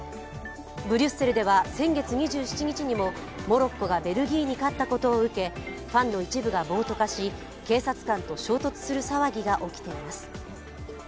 ブリュッセルでは、先月２７日にもモロッコがベルギーに勝ったことを受け、ファンの一部が暴徒化し、警察官と衝突する騒ぎが起きています。